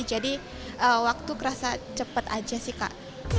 jadi waktu kerasa cepet aja sih kak